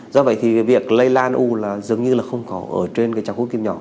do vậy thì việc lây lan u là dường như là không có ở trên cái trang quốc kim nhỏ